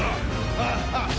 ハハハハ！